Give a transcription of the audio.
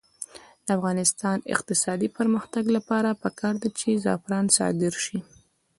د افغانستان د اقتصادي پرمختګ لپاره پکار ده چې زعفران صادر شي.